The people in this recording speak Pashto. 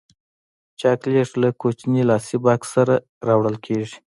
چاکلېټ له کوچني لاسي بکس سره راوړل کېږي.